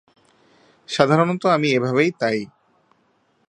সাধারণত আমি এভাবেই তাই।